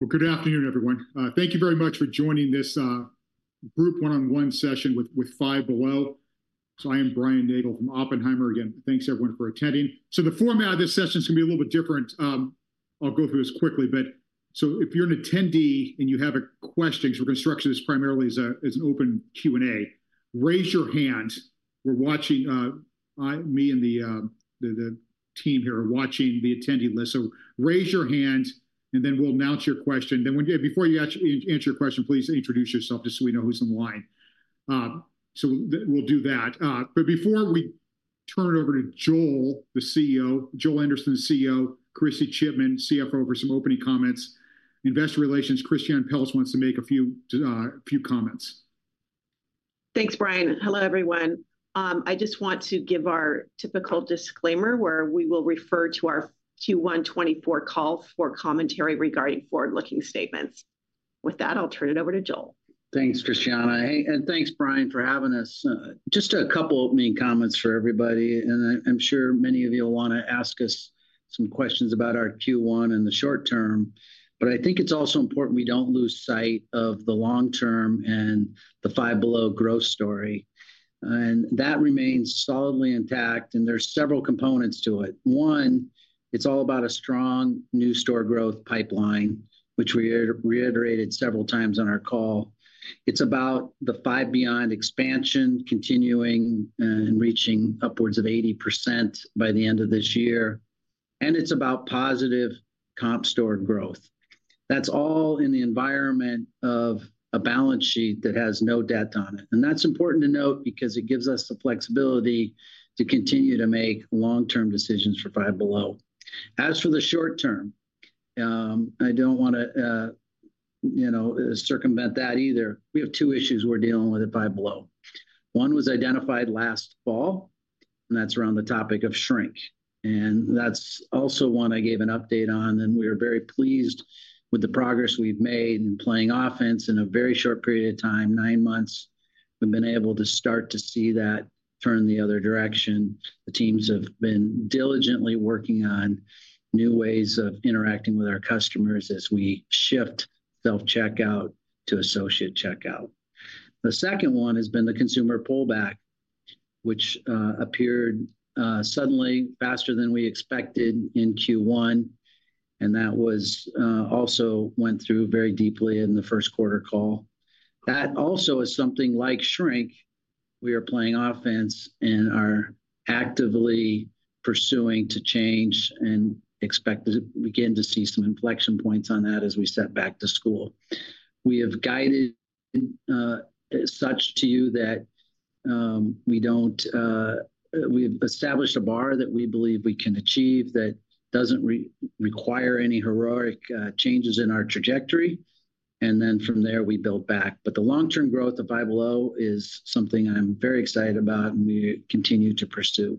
Well, good afternoon, everyone. Thank you very much for joining this group one-on-one session with Five Below. So I am Brian Nagel from Oppenheimer. Again, thanks, everyone, for attending. So the format of this session is gonna be a little bit different. I'll go through this quickly, but so if you're an attendee and you have a question, because we're gonna structure this primarily as an open Q&A, raise your hand. We're watching. Me and the team here are watching the attendee list. So raise your hand, and then we'll announce your question. Then, before you actually answer your question, please introduce yourself, just so we know who's in line. We'll do that. But before we turn it over to Joel, the CEO, Joel Anderson, the CEO, Kristy Chipman, CFO, for some opening comments, Investor Relations, Christiane Pelz wants to make a few, a few comments. Thanks, Brian. Hello, everyone. I just want to give our typical disclaimer, where we will refer to our Q1 2024 call for commentary regarding forward-looking statements. With that, I'll turn it over to Joel. Thanks, Christiane. Hey, and thanks, Brian, for having us. Just a couple opening comments for everybody, and I, I'm sure many of you will wanna ask us some questions about our Q1 in the short term. But I think it's also important we don't lose sight of the long term and the Five Below growth story, and that remains solidly intact, and there's several components to it. One, it's all about a strong new store growth pipeline, which we reiterated several times on our call. It's about the Five Beyond expansion continuing, and reaching upwards of 80% by the end of this year, and it's about positive comp store growth. That's all in the environment of a balance sheet that has no debt on it, and that's important to note because it gives us the flexibility to continue to make long-term decisions for Five Below. As for the short term, I don't wanna, you know, circumvent that either. We have 2 issues we're dealing with at Five Below. One was identified last fall, and that's around the topic of shrink, and that's also one I gave an update on, and we are very pleased with the progress we've made in playing offense in a very short period of time, 9 months. We've been able to start to see that turn the other direction. The teams have been diligently working on new ways of interacting with our customers as we shift self-checkout to associate checkout. The second one has been the consumer pullback, which appeared suddenly faster than we expected in Q1, and that was also went through very deeply in the Q1 call. That also is something like shrink. We are playing offense and are actively pursuing to change and expect to begin to see some inflection points on that as we set back to school. We have guided such to you that we've established a bar that we believe we can achieve that doesn't require any heroic changes in our trajectory, and then from there, we build back. But the long-term growth of Five Below is something I'm very excited about, and we continue to pursue.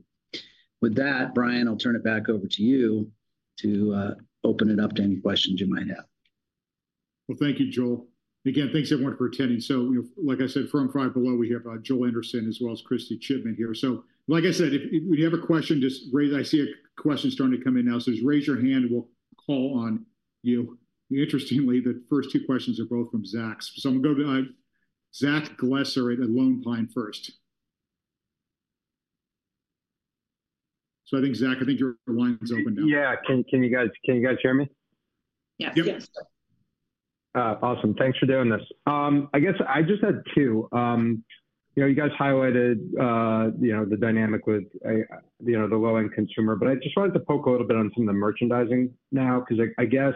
With that, Brian, I'll turn it back over to you to open it up to any questions you might have. Well, thank you, Joel. Again, thanks, everyone, for attending. So, you know, like I said, from Five Below, we have Joel Anderson, as well as Kristy Chipman here. So like I said, if you have a question, just raise. I see a question starting to come in now, so just raise your hand, and we'll call on you. Interestingly, the first two questions are both from Zachs. So I'm gonna go to Zach Gresser at Lone Pine first. So I think, Zach, I think your line is open now. Yeah. Can you guys hear me? Yes. Yep. Awesome. Thanks for doing this. I guess I just had two. You know, you guys highlighted, you know, the dynamic with, you know, the low-end consumer, but I just wanted to poke a little bit on some of the merchandising now, because I guess,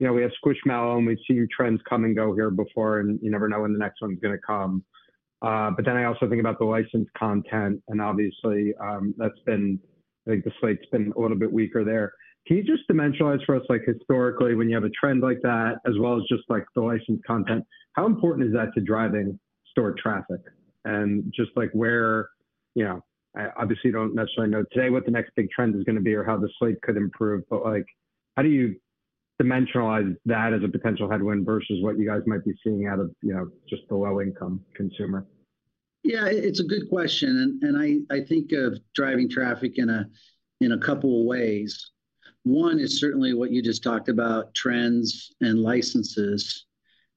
you know, we have Squishmallow, and we've seen trends come and go here before, and you never know when the next one's gonna come. But then I also think about the licensed content, and obviously, that's been, like, the slate's been a little bit weaker there. Can you just dimensionalize for us, like, historically, when you have a trend like that, as well as just, like, the licensed content, how important is that to driving store traffic? Just, like, where, you know, I obviously don't necessarily know today what the next big trend is gonna be or how the slate could improve, but, like, how do you dimensionalize that as a potential headwind versus what you guys might be seeing out of, you know, just the low-income consumer? Yeah, it's a good question, and I think of driving traffic in a couple of ways. One is certainly what you just talked about, trends and licenses,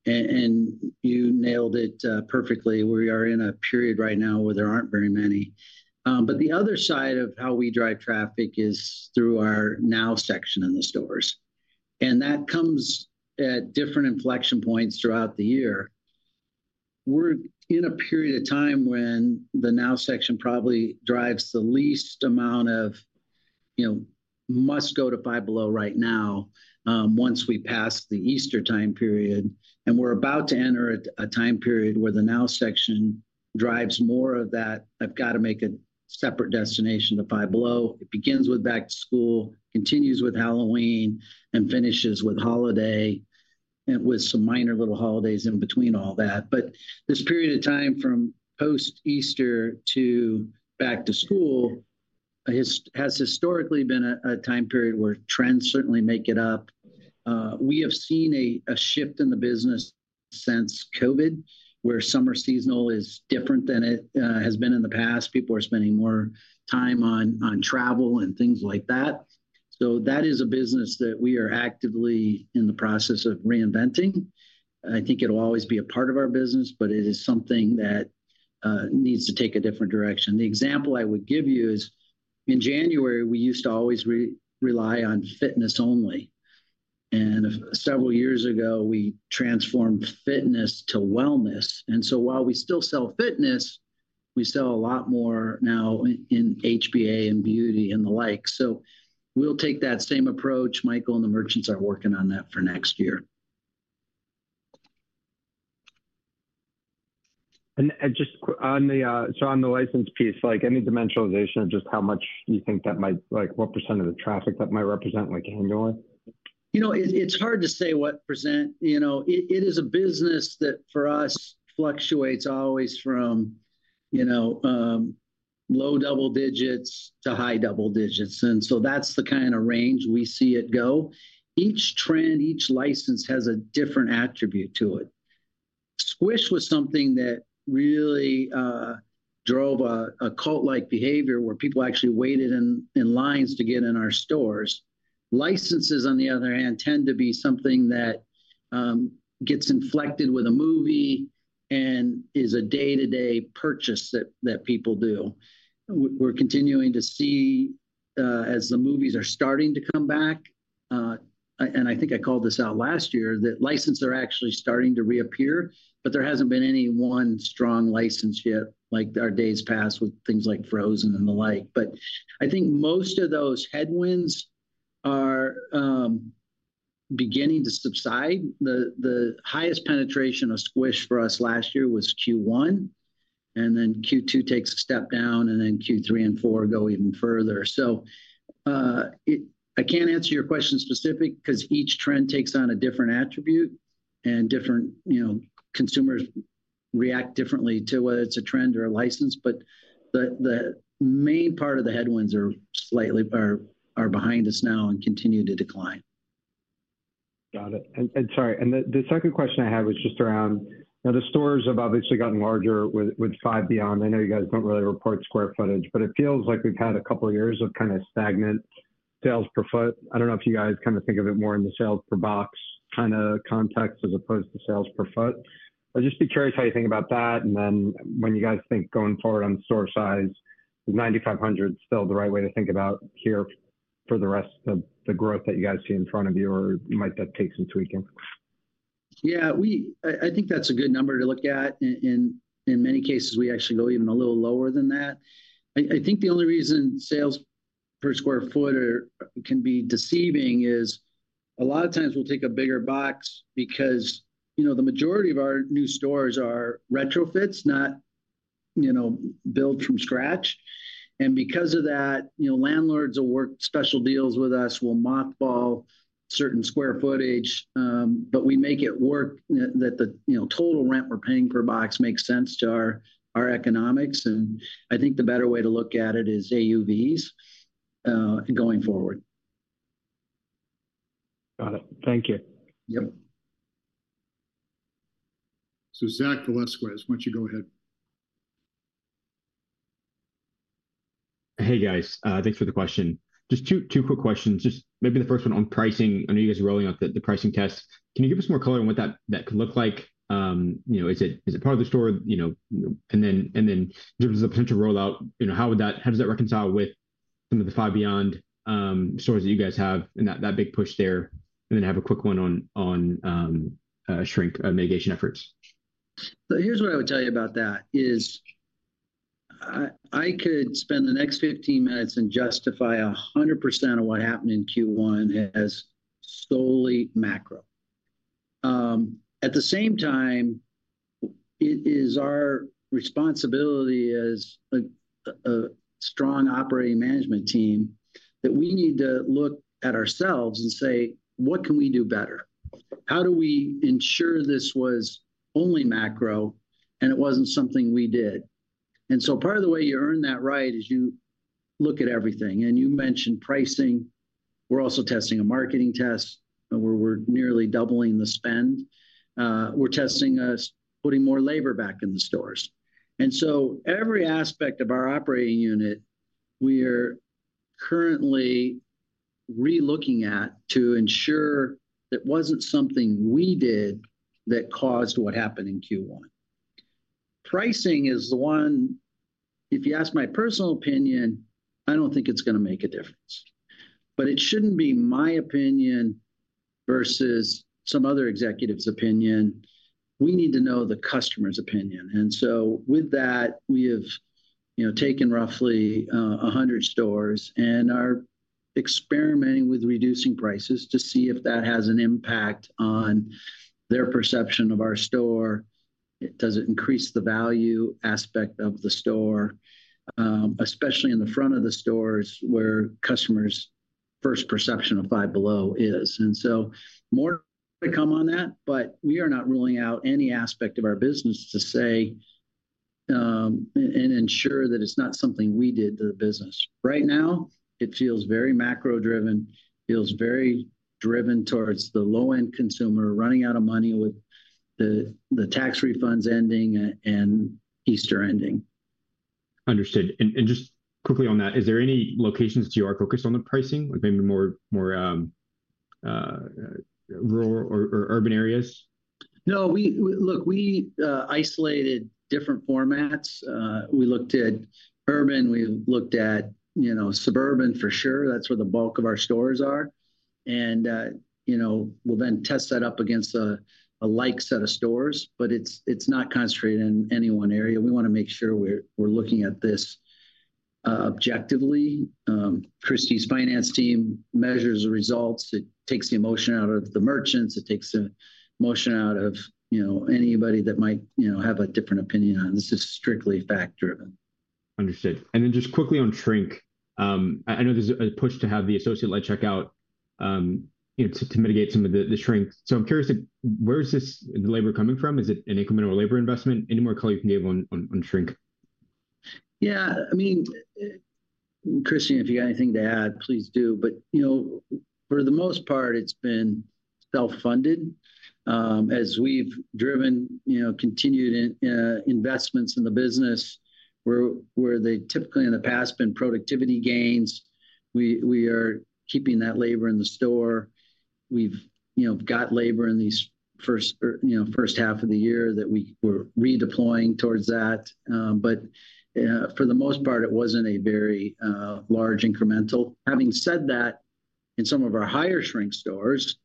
and you nailed it perfectly. We are in a period right now where there aren't very many. But the other side of how we drive traffic is through our Now section in the stores, and that comes at different inflection points throughout the year. We're in a period of time when the Now section probably drives the least amount of, you know, must-go to Five Below right now, once we pass the Easter time period, and we're about to enter a time period where the Now section drives more of that, "I've got to make a separate destination to Five Below." It begins with back to school, continues with Halloween, and finishes with holiday, and with some minor little holidays in between all that. But this period of time, from post-Easter to back to school, has historically been a time period where trends certainly make it up. We have seen a shift in the business since COVID, where summer seasonal is different than it has been in the past. People are spending more time on travel and things like that. So that is a business that we are actively in the process of reinventing. I think it'll always be a part of our business, but it is something that needs to take a different direction. The example I would give you is, in January, we used to always rely on fitness only, and several years ago, we transformed fitness to wellness. And so while we still sell fitness, we sell a lot more now in HBA and beauty and the like. So we'll take that same approach. Michael and the merchants are working on that for next year. Just on the license piece, like any dimensionalization of just how much you think that might—like, what % of the traffic that might represent, like, annually? You know, it's hard to say what percent. You know, it is a business that, for us, fluctuates always from, you know, low double digits to high double digits, and so that's the kind of range we see it go. Each trend, each license has a different attribute to it. Squishmallows was something that really drove a cult-like behavior, where people actually waited in lines to get in our stores. Licenses, on the other hand, tend to be something that gets inflected with a movie and is a day-to-day purchase that people do. We're continuing to see, as the movies are starting to come back, and I think I called this out last year, that licenses are actually starting to reappear, but there hasn't been any one strong license yet, like our days past with things like Frozen and the like. But I think most of those headwinds are beginning to subside. The highest penetration of Squish for us last year was Q1, and then Q2 takes a step down, and then Q3 and Q4 go even further. So, I can't answer your question specific, 'cause each trend takes on a different attribute, and different, you know, consumers react differently to whether it's a trend or a license. But the main part of the headwinds are slightly behind us now and continue to decline. Got it. Sorry, the second question I had was just around. Now, the stores have obviously gotten larger with Five Beyond. I know you guys don't really report square footage, but it feels like we've had a couple of years of kind of stagnant sales per foot. I don't know if you guys kind of think of it more in the sales per box kind of context, as opposed to sales per foot. I'd just be curious how you think about that, and then when you guys think going forward on store size, is 9,500 still the right way to think about here for the rest of the growth that you guys see in front of you, or might that take some tweaking? Yeah, I think that's a good number to look at. In many cases, we actually go even a little lower than that. I think the only reason sales per square foot can be deceiving is, a lot of times we'll take a bigger box because, you know, the majority of our new stores are retrofits, not built from scratch. And because of that, you know, landlords will work special deals with us. We'll mothball certain square footage, but we make it work, you know, that the total rent we're paying per box makes sense to our economics, and I think the better way to look at it is AUVs going forward. Got it. Thank you. Yep. So, Zach Velasquez, why don't you go ahead? Hey, guys. Thanks for the question. Just two, two quick questions. Just maybe the first one on pricing. I know you guys are rolling out the pricing test. Can you give us more color on what that could look like? You know, is it part of the store? You know, and then there's the potential rollout. You know, how would that, how does that reconcile with some of the Five Beyond stores that you guys have and that big push there? And then I have a quick one on shrink mitigation efforts. So here's what I would tell you about that, is I, I could spend the next 15 minutes and justify 100% of what happened in Q1 as solely macro. At the same time, it is our responsibility as a, a strong operating management team, that we need to look at ourselves and say: What can we do better? How do we ensure this was only macro, and it wasn't something we did? And so part of the way you earn that right is you look at everything. And you mentioned pricing. We're also testing a marketing test, where we're nearly doubling the spend. We're testing us putting more labor back in the stores. And so every aspect of our operating unit, we're currently re-looking at to ensure it wasn't something we did that caused what happened in Q1. Pricing is the one... If you ask my personal opinion, I don't think it's gonna make a difference, but it shouldn't be my opinion versus some other executive's opinion. We need to know the customer's opinion. And so with that, we have, you know, taken roughly 100 stores and are experimenting with reducing prices to see if that has an impact on their perception of our store. Does it increase the value aspect of the store? Especially in the front of the stores, where customers' first perception of Five Below is. And so more to come on that, but we are not ruling out any aspect of our business and ensure that it's not something we did to the business. Right now, it feels very macro-driven, feels very driven towards the low-end consumer running out of money with the tax refunds ending and Easter ending. Understood. And just quickly on that, is there any locations that you are focused on the pricing, like maybe more rural or urban areas? No, we look, we isolated different formats. We looked at urban, we looked at, you know, suburban for sure. That's where the bulk of our stores are. And, you know, we'll then test that up against a like set of stores, but it's not concentrated in any one area. We wanna make sure we're looking at this objectively. Kristy's finance team measures the results. It takes the emotion out of the merchants, it takes the emotion out of, you know, anybody that might, you know, have a different opinion on. This is strictly fact-driven. Understood. And then just quickly on shrink, I know there's a push to have the associate lead checkout, you know, to mitigate some of the shrink. So I'm curious to where is this labor coming from? Is it an incremental labor investment? Any more color you can give on shrink? Yeah. I mean, Kristy, if you got anything to add, please do. But, you know, for the most part, it's been self-funded. As we've driven, you know, continued investments in the business, where they typically in the past been productivity gains, we are keeping that labor in the store. We've, you know, got labor in these first half of the year that we were redeploying towards that. But, for the most part, it wasn't a very large incremental. Having said that, in some of our higher shrink stores,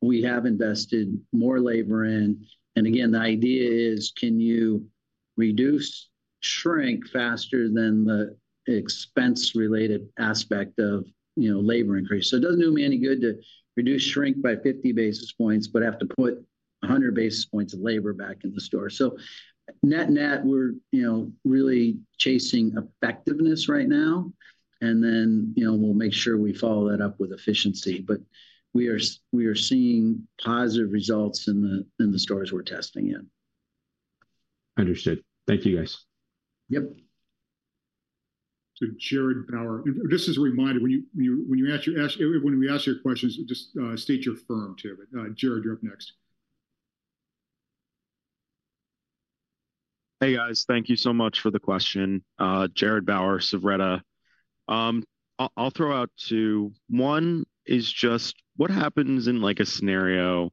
we have invested more labor in... And again, the idea is, can you reduce shrink faster than the expense-related aspect of, you know, labor increase? So it doesn't do me any good to reduce shrink by 50 basis points, but have to put 100 basis points of labor back in the store. So net-net, we're, you know, really chasing effectiveness right now, and then, you know, we'll make sure we follow that up with efficiency. But we are we are seeing positive results in the, in the stores we're testing in. Understood. Thank you, guys. Yep. So, Jared Bauer. And just as a reminder, when we ask your questions, just state your firm, too. But, Jared, you're up next. Hey, guys. Thank you so much for the question. Jared Bauer, Suvretta. I'll, I'll throw out two. One is just, what happens in, like, a scenario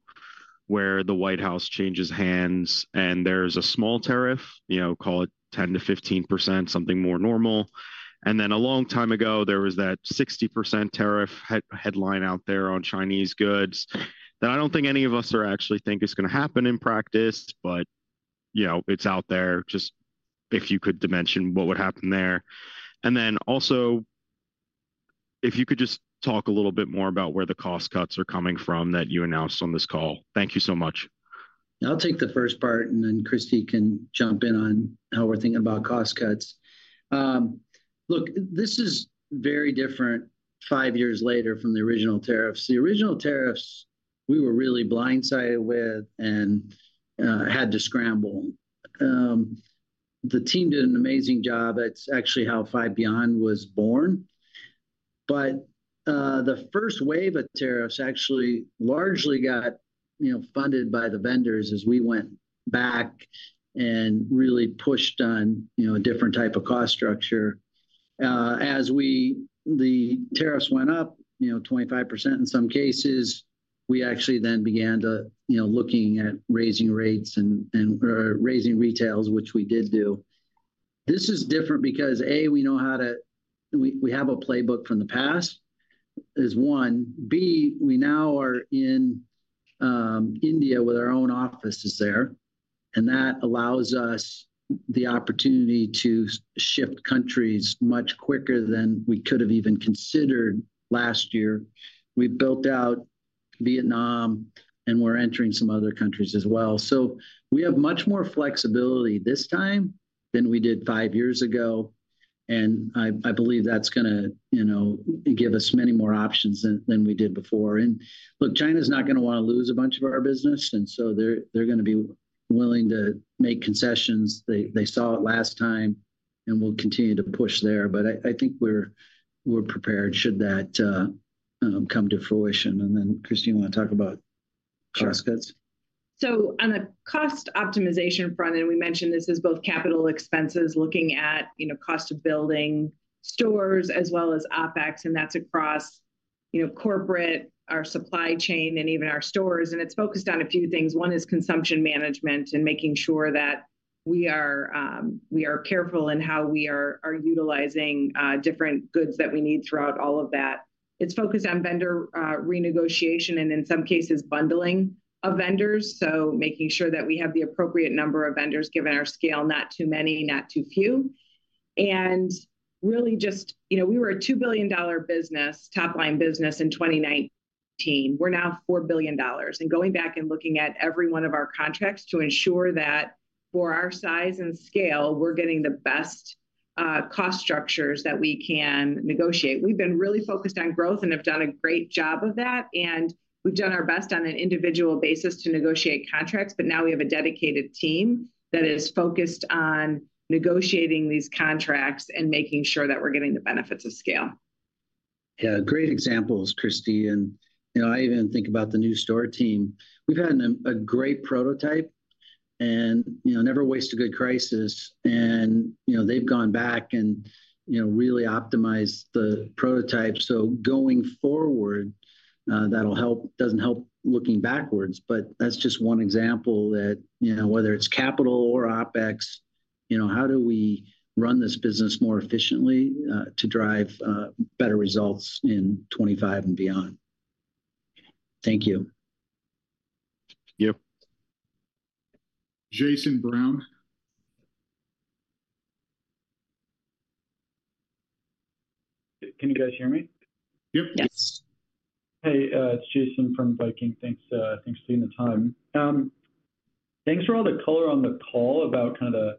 where the White House changes hands and there's a small tariff, you know, call it 10% to 15%, something more normal? And then a long time ago, there was that 60% tariff headline out there on Chinese goods, that I don't think any of us are actually think is gonna happen in practice, but, you know, it's out there. Just if you could dimension what would happen there. And then also, if you could just talk a little bit more about where the cost cuts are coming from, that you announced on this call. Thank you so much. I'll take the first part, and then Kristy can jump in on how we're thinking about cost cuts. Look, this is very different five years later from the original tariffs. The original tariffs, we were really blindsided with, and, had to scramble. The team did an amazing job. That's actually how Five Beyond was born. But, the first wave of tariffs actually largely got, you know, funded by the vendors as we went back and really pushed on, you know, a different type of cost structure. As the tariffs went up, you know, 25% in some cases, we actually then began to, you know, looking at raising rates and, and, or raising retails, which we did do. This is different because, A, we know how to—we have a playbook from the past, is one. B, we now are in India with our own offices there, and that allows us the opportunity to shift countries much quicker than we could have even considered last year. We've built out Vietnam, and we're entering some other countries as well. So we have much more flexibility this time than we did five years ago, and I, I believe that's gonna, you know, give us many more options than, than we did before. And look, China's not gonna wanna lose a bunch of our business, and so they're, they're gonna be willing to make concessions. They, they saw it last time, and we'll continue to push there. But I, I think we're, we're prepared should that come to fruition. And then, Kristy, you wanna talk about cost cuts? So on the cost optimization front, and we mentioned this, is both capital expenses, looking at, you know, cost of building stores as well as OpEx, and that's across, you know, corporate, our supply chain, and even our stores. And it's focused on a few things. One is consumption management and making sure that we are, we are careful in how we are utilizing different goods that we need throughout all of that. It's focused on vendor renegotiation, and in some cases, bundling of vendors, so making sure that we have the appropriate number of vendors given our scale, not too many, not too few. You know, we were a $2 billion business, top-line business in 2019. We're now $4 billion. Going back and looking at every one of our contracts to ensure that for our size and scale, we're getting the best cost structures that we can negotiate. We've been really focused on growth and have done a great job of that, and we've done our best on an individual basis to negotiate contracts, but now we have a dedicated team that is focused on negotiating these contracts and making sure that we're getting the benefits of scale. Yeah, great examples, Kristy, and, you know, I even think about the new store team. We've had a great prototype and, you know, never waste a good crisis, and, you know, they've gone back and, you know, really optimized the prototype. So going forward, that'll help, doesn't help looking backwards, but that's just one example that, you know, whether it's capital or OpEx, you know, how do we run this business more efficiently, to drive better results in 2025 and beyond? Thank you. Thank you. Jason Brown? Can you guys hear me? Yep. Yes. Hey, it's Jason from Viking. Thanks, thanks for taking the time. Thanks for all the color on the call about kind of the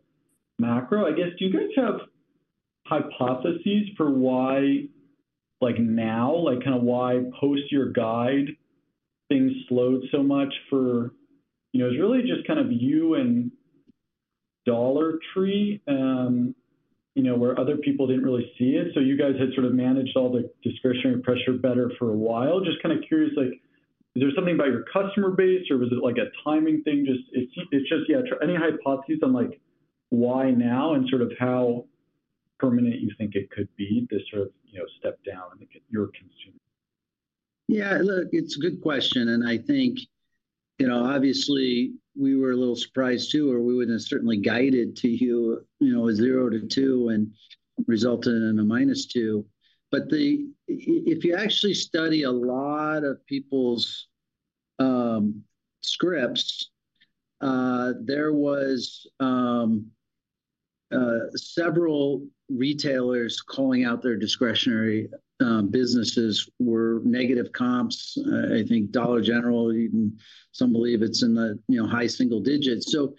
macro. I guess, do you guys have hypotheses for why, like, now, like, kind of why post your guide, things slowed so much for it's really just kind of you and Dollar Tree, you know, where other people didn't really see it. So you guys had sort of managed all the discretionary pressure better for a while. Just kind of curious, like, is there something about your customer base, or was it, like, a timing thing? Just, it's just, yeah, any hypotheses on, like, why now, and sort of how permanent you think it could be, this sort of, you know, step down in your consumer? Yeah, look, it's a good question, and I think, you know, obviously, we were a little surprised, too, or we wouldn't have certainly guided to you, you know, a 0 to 2 and resulted in a -2. But if you actually study a lot of people's scripts, there was several retailers calling out their discretionary businesses were negative comps. I think Dollar General, even some believe it's in the, you know, high single digits. So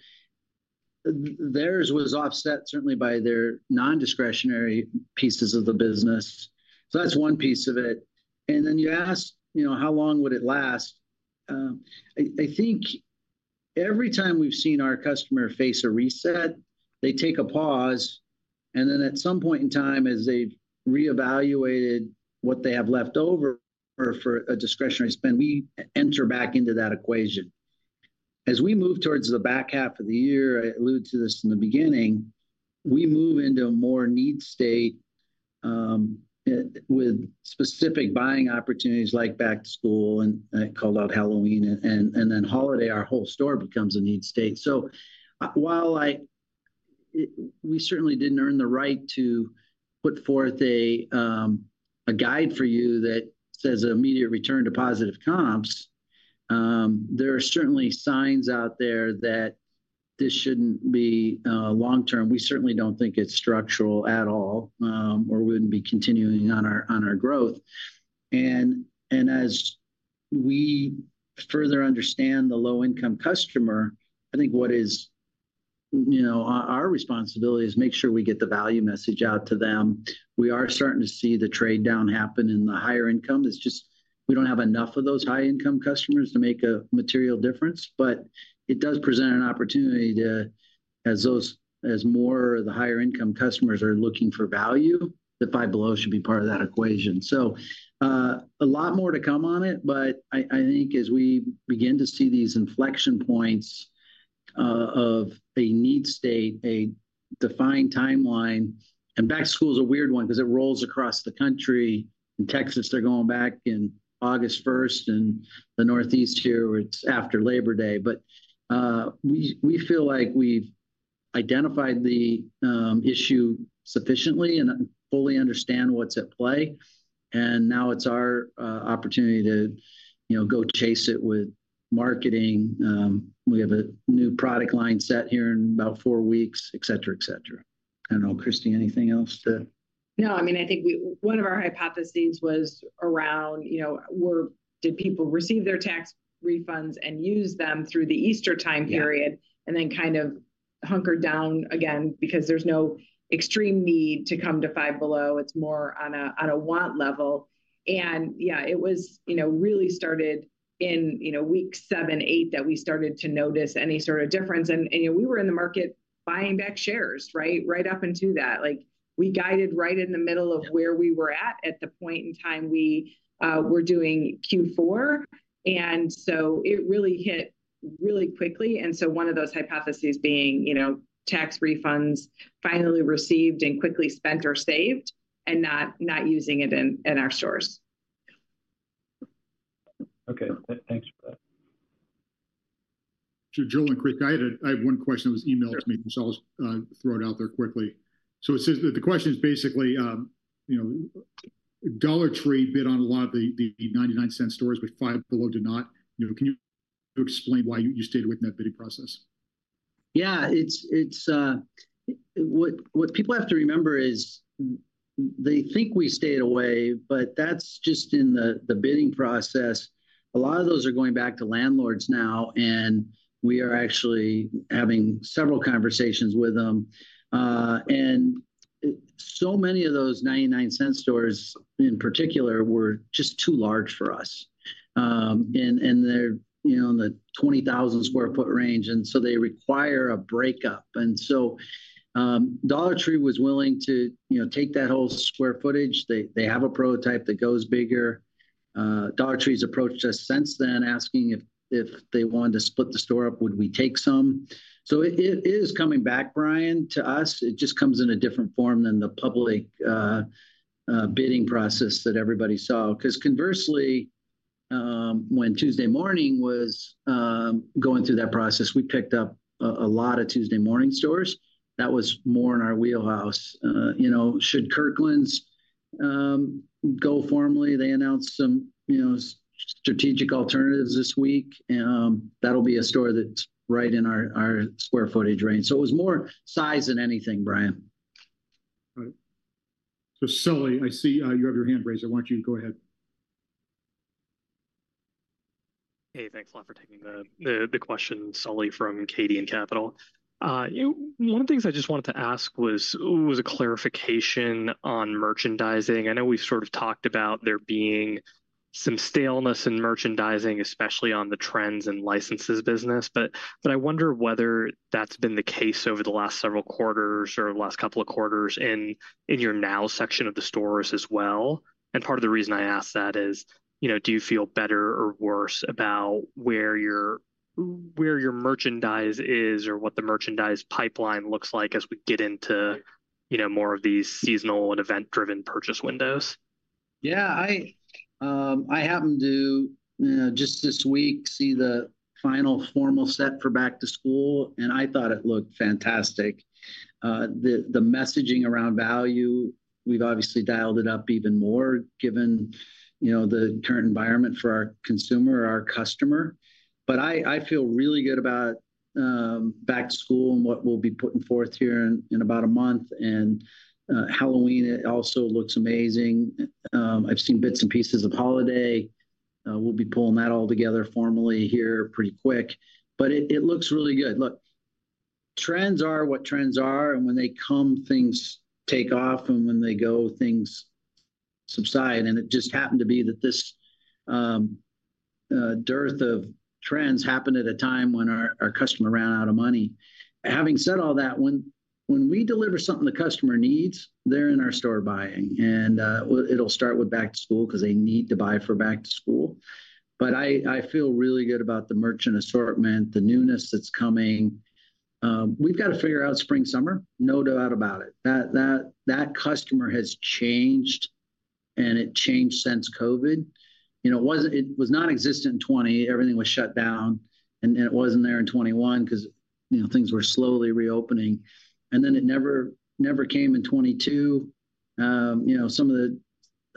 theirs was offset certainly by their non-discretionary pieces of the business. So that's one piece of it. And then you asked, you know, how long would it last? I think every time we've seen our customer face a reset, they take a pause, and then at some point in time, as they've re-evaluated what they have left over for a discretionary spend, we enter back into that equation. As we move towards the back half of the year, I alluded to this in the beginning, we move into a more need state, with specific buying opportunities like back to school, and I called out Halloween, and then holiday, our whole store becomes a need state. So, while we certainly didn't earn the right to put forth a guide for you that says immediate return to positive comps, there are certainly signs out there that this shouldn't be long term. We certainly don't think it's structural at all, or we wouldn't be continuing on our growth. And as we further understand the low-income customer, I think what is, you know, our responsibility is make sure we get the value message out to them. We are starting to see the trade-down happen in the higher income. It's just we don't have enough of those high-income customers to make a material difference, but it does present an opportunity to, as more of the higher income customers are looking for value, the Five Below should be part of that equation. So, a lot more to come on it, but I think as we begin to see these inflection points of a need state, a defined timeline, and back to school is a weird one because it rolls across the country. In Texas, they're going back in August first, and the Northeast here, it's after Labor Day. But we feel like we've identified the issue sufficiently and fully understand what's at play, and now it's our opportunity to, you know, go chase it with marketing. We have a new product line set here in about four weeks, et cetera, et cetera. I don't know, Kristy, anything else to- No, I mean, I think one of our hypotheses was around, you know, did people receive their tax refunds and use them through the Easter time period- Yeah... and then kind of hunkered down again because there's no extreme need to come to Five Below, it's more on a, on a want level. And yeah, it was, you know, really started in, you know, week seven, eight, that we started to notice any sort of difference. And we were in the market buying back shares, right, right up until that. Like, we guided right in the middle of where we were at the point in time we were doing Q4, and so it really hit really quickly. And so one of those hypotheses being, you know, tax refunds finally received and quickly spent or saved and not using it in our stores. Okay. Thanks for that. So Joel and Chris, I have one question that was emailed to me, so I'll throw it out there quickly. So it says that the question is basically, you know, Dollar Tree bid on a lot of the 99 Cents Only stores, but Five Below did not. You know, can you explain why you stayed away from that bidding process? Yeah, it's what people have to remember is, they think we stayed away, but that's just in the bidding process. A lot of those are going back to landlords now, and we are actually having several conversations with them. So many of those 99 Cents Only stores, in particular, were just too large for us. And they're, you know, in the 20,000 sq ft range, and so they require a breakup. And so, Dollar Tree was willing to, you know, take that whole square footage. They have a prototype that goes bigger. Dollar Tree's approached us since then, asking if they wanted to split the store up, would we take some? So it is coming back, Brian, to us. It just comes in a different form than the public bidding process that everybody saw. 'Cause conversely, when Tuesday Morning was going through that process, we picked up a lot of Tuesday Morning stores. That was more in our wheelhouse. You know, should Kirkland's go formally, they announced some strategic alternatives this week, and that'll be a store that's right in our square footage range. So it was more size than anything, Brian. Right. So Sully, I see, you have your hand raised. I want you to go ahead. Hey, thanks a lot for taking the question. Sully from Cadian Capital. You know, one of the things I just wanted to ask was a clarification on merchandising. I know we've sort of talked about there being some staleness in merchandising, especially on the trends and licenses business, but I wonder whether that's been the case over the last several quarters or the last couple of quarters in your Now section of the stores as well. And part of the reason I ask that is, you know, do you feel better or worse about where your merchandise is, or what the merchandise pipeline looks like as we get into, you know, more of these seasonal and event-driven purchase windows? Yeah. I, I happened to just this week see the final formal set for back to school, and I thought it looked fantastic. The messaging around value, we've obviously dialed it up even more, given, you know, the current environment for our consumer, our customer. But I, I feel really good about back to school and what we'll be putting forth here in about a month. And Halloween, it also looks amazing. I've seen bits and pieces of holiday. We'll be pulling that all together formally here pretty quick. But it looks really good. Look, trends are what trends are, and when they come, things take off, and when they go, things subside. And it just happened to be that this dearth of trends happened at a time when our customer ran out of money. Having said all that, when we deliver something the customer needs, they're in our store buying, and well, it'll start with back to school 'cause they need to buy for back to school. But I feel really good about the merchant assortment, the newness that's coming. We've got to figure out spring, summer, no doubt about it. That customer has changed, and it changed since COVID. You know, it wasn't, it was non-existent in 2020. Everything was shut down, and it wasn't there in 2021 'cause, you know, things were slowly reopening, and then it never came in 2022. You know,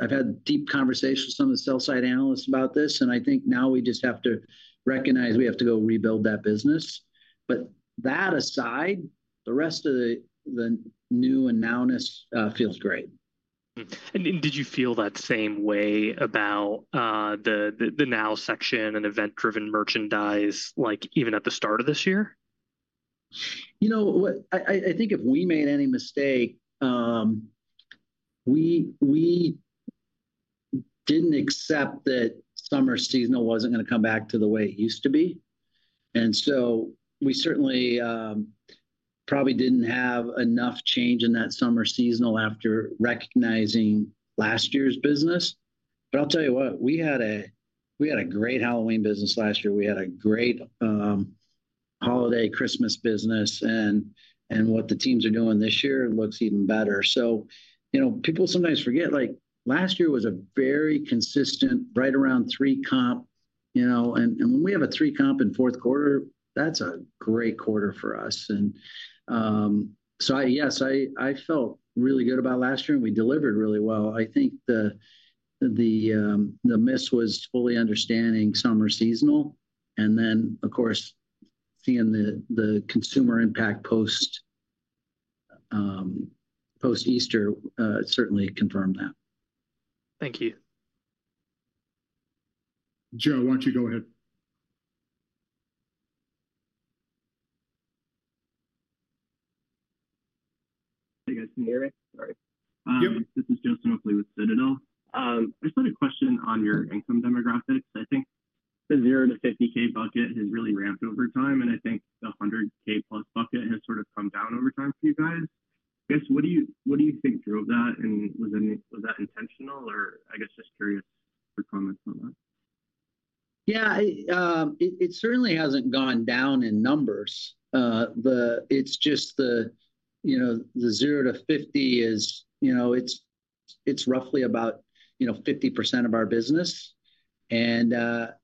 I've had deep conversations with some of the sell side analysts about this, and I think now we just have to recognize we have to go rebuild that business. But that aside, the rest of the new and newness feels great. Did you feel that same way about the Now section and event-driven merchandise, like, even at the start of this year? You know what? I think if we made any mistake, we didn't accept that summer seasonal wasn't gonna come back to the way it used to be. And so we certainly probably didn't have enough change in that summer seasonal after recognizing last year's business. But I'll tell you what, we had a great Halloween business last year. We had a great holiday Christmas business, and what the teams are doing this year looks even better. So, you know, people sometimes forget, like, last year was a very consistent, right around 3 comp, you know, and when we have a 3 comp in Q4, that's a great quarter for us. So yes, I felt really good about last year, and we delivered really well. I think the miss was fully understanding summer seasonal, and then, of course, seeing the consumer impact post-Easter certainly confirmed that. Thank you. Joe, why don't you go ahead? Hey, guys. Can you hear me? Sorry. Yep. This is Joe Sinopoli with Citadel. I just had a question on your income demographics. I think the 0 to 50K bucket has really ramped over time, and I think the 100,000 plus bucket has sort of come down over time for you guys. I guess, what do you, what do you think drove that, and was that intentional? Or I guess just curious for comments on that. Yeah, it certainly hasn't gone down in numbers. It's just the, you know, the 0 to 50 is, you know, it's roughly about 50% of our business. And,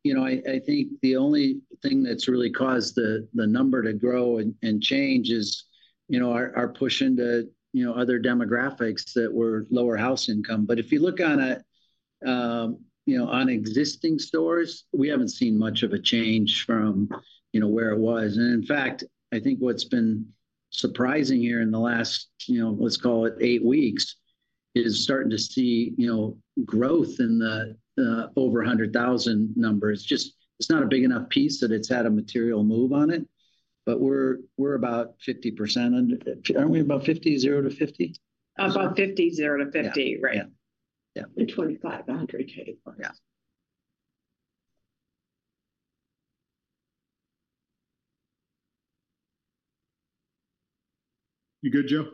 you know, I think the only thing that's really caused the number to grow and change is, you know, our push into other demographics that were lower household income. But if you look on a, you know, on existing stores, we haven't seen much of a change from where it was. And in fact, I think what's been surprising here in the last, you know, let's call it 8 weeks is starting to see, you know, growth in the over 100,000 numbers. Just, it's not a big enough piece that it's had a material move on it, but we're, we're about 50% under, aren't we about 50%, 0% to 50%? About 50, 0 to 50. Yeah. Right. Yeah. Yeah. 25 to 100,000. Yeah. You good, Joel?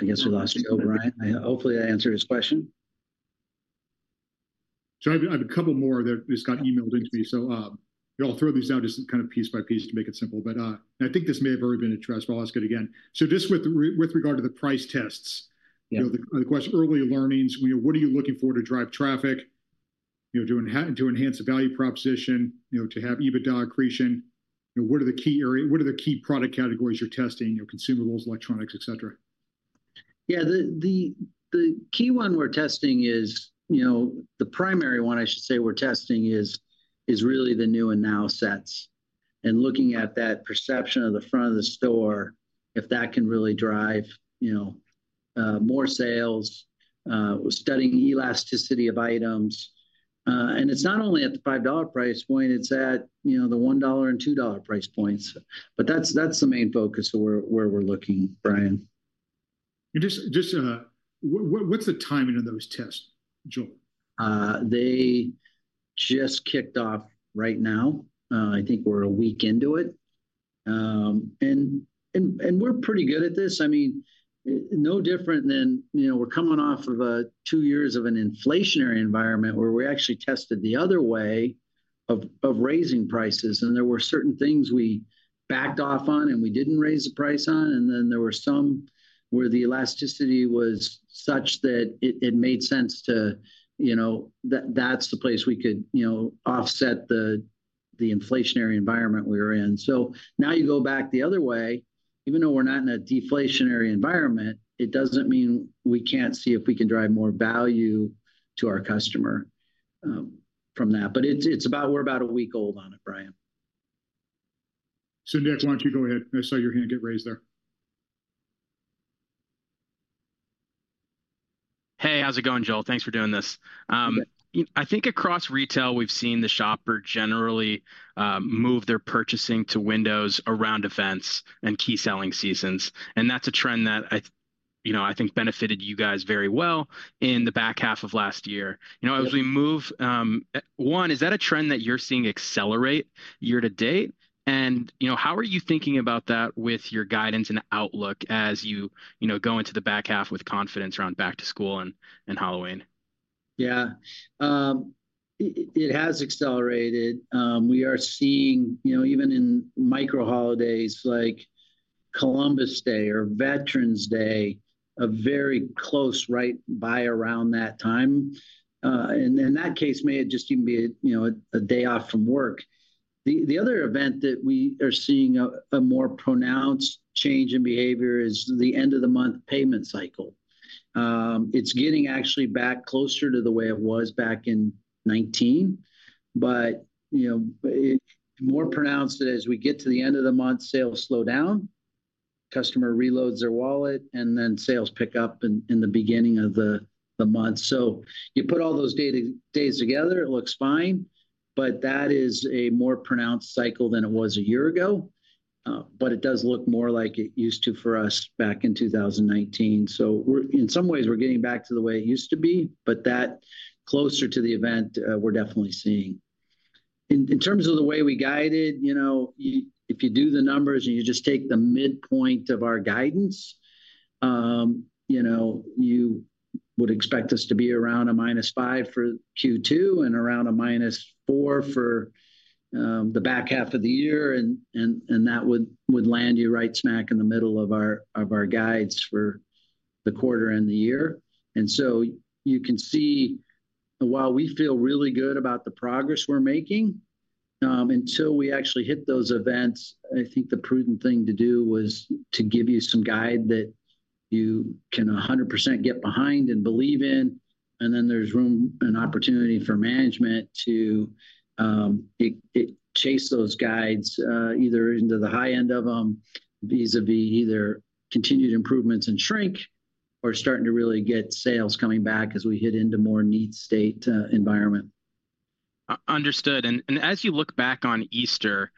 I guess we lost Joe Brian. I, hopefully, I answered his question. So I have a couple more that just got emailed in to me. So, I'll throw these out just kind of piece by piece to make it simple. But, and I think this may have already been addressed, but I'll ask it again. So just with regard to the price tests. Yeah You know, the question, early learnings, you know, what are you looking for to drive traffic, you know, to enhance the value proposition, you know, to have EBITDA accretion? You know, what are the key area, what are the key product categories you're testing, you know, consumables, electronics, et cetera? Yeah. The key one we're testing is, you know, the primary one, I should say, we're testing is really the new and now sets. And looking at that perception of the front of the store, if that can really drive, you know, more sales, we're studying elasticity of items. And it's not only at the $5 price point, it's at, you know, the $1 and $2 price points. But that's the main focus of where we're looking, Brian. Just, what's the timing of those tests, Joel? They just kicked off right now. I think we're a week into it. And we're pretty good at this. I mean, no different than, you know, we're coming off of two years of an inflationary environment, where we actually tested the other way of raising prices, and there were certain things we backed off on, and we didn't raise the price on. And then there were some where the elasticity was such that it made sense to, you know... That's the place we could, you know, offset the inflationary environment we were in. So now you go back the other way. Even though we're not in a deflationary environment, it doesn't mean we can't see if we can drive more value to our customer from that. But it's about, we're about a week old on it, Brian. Simeon, why don't you go ahead? I saw your hand get raised there. Hey, how's it going, Joel? Thanks for doing this. Good. I think across retail, we've seen the shopper generally move their purchasing to windows around events and key selling seasons, and that's a trend that I you know, I think benefited you guys very well in the back half of last year. Yeah. You know, as we move one, is that a trend that you're seeing accelerate year to date? You know, how are you thinking about that with your guidance and outlook as you, you know, go into the back half with confidence around back to school and Halloween? Yeah. It has accelerated. We are seeing, you know, even in micro holidays like Columbus Day or Veterans Day, a very close right by around that time. And in that case, it may just even be a, you know, a day off from work. The other event that we are seeing a more pronounced change in behavior is the end-of-the-month payment cycle. It's getting actually back closer to the way it was back in 2019, but, you know, it's more pronounced as we get to the end of the month, sales slow down, customer reloads their wallet, and then sales pick up in the beginning of the month. So you put all those days together, it looks fine, but that is a more pronounced cycle than it was a year ago. But it does look more like it used to for us back in 2019. So we're, in some ways, we're getting back to the way it used to be, but that closer to the event, we're definitely seeing. In terms of the way we guided, you know, if you do the numbers and you just take the midpoint of our guidance, you know, you would expect us to be around a -5 for Q2 and around a -4 for the back half of the year, and that would land you right smack in the middle of our guides for the quarter and the year. And so you can see, while we feel really good about the progress we're making, until we actually hit those events, I think the prudent thing to do was to give you some guide that you can 100% get behind and believe in, and then there's room and opportunity for management to chase those guides, either into the high end of them, vis-a-vis, either continued improvements and shrink, or starting to really get sales coming back as we head into more need state environment. Understood. And as you look back on Easter,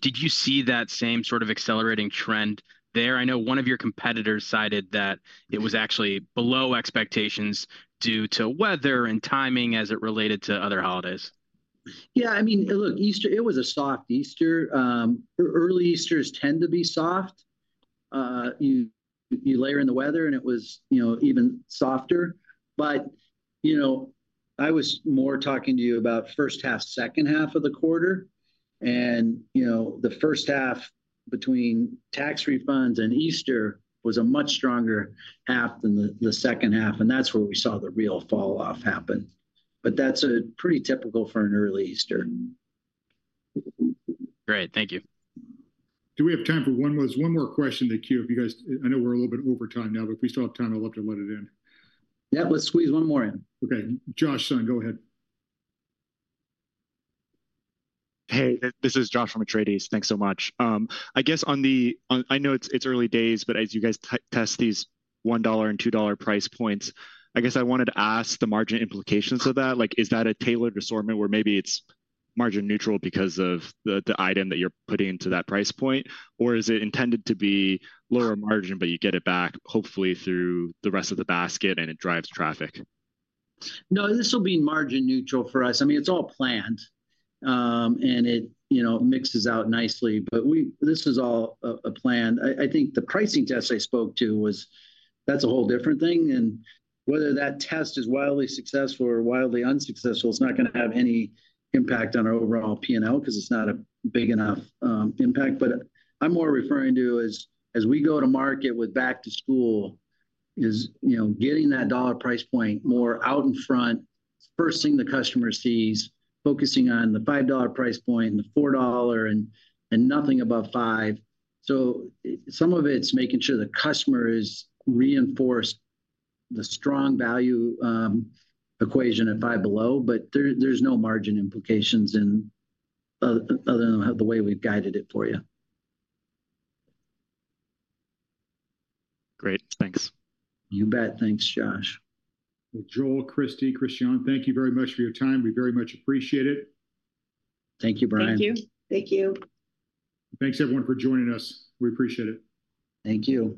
did you see that same sort of accelerating trend there? I know one of your competitors cited that it was actually below expectations due to weather and timing as it related to other holidays. Yeah, I mean, look, Easter, it was a soft Easter. Early Easters tend to be soft. You, you layer in the weather, and it was, you know, even softer. But, you know, I was more talking to you about first half, second half of the quarter. And, you know, the first half between tax refunds and Easter was a much stronger half than the, the second half, and that's where we saw the real falloff happen. But that's pretty typical for an early Easter. Great, thank you. Do we have time for one more? There's one more question in the queue. I know we're a little bit over time now, but if we still have time, I'd love to let it in. Yeah, let's squeeze one more in. Okay. Josh Sun, go ahead. Hey, this is Josh from Atreides. Thanks so much. I know it's early days, but as you guys test these $1 and $2 price points, I guess I wanted to ask the margin implications of that. Like, is that a tailored assortment where maybe it's margin neutral because of the item that you're putting into that price point? Or is it intended to be lower margin, but you get it back, hopefully, through the rest of the basket, and it drives traffic? No, this will be margin neutral for us. I mean, it's all planned. And it, you know, mixes out nicely. But this is all a plan. I think the pricing test I spoke to was, that's a whole different thing, and whether that test is wildly successful or wildly unsuccessful, it's not gonna have any impact on our overall P&L, because it's not a big enough impact. But I'm more referring to is, as we go to market with back to school, is, you know, getting that dollar price point more out in front, first thing the customer sees, focusing on the $5 price point and the $4, and nothing above $5. So some of it's making sure the customer is reinforced the strong value equation at Five Below, but there's no margin implications other than the way we've guided it for you. Great, thanks. You bet. Thanks, Josh. Joel, Kristy, Christiane, thank you very much for your time. We very much appreciate it. Thank you, Brian. Thank you. Thank you. Thanks, everyone, for joining us. We appreciate it. Thank you.